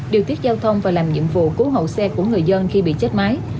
điều tiết giao thông và làm nhiệm vụ cứu hậu xe của người dân khi bị chết mái